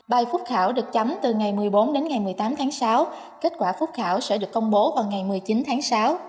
bài phút khảo được chấm từ ngày một mươi bốn đến ngày một mươi tám tháng sáu kết quả phút khảo sẽ được công bố vào ngày một mươi chín tháng sáu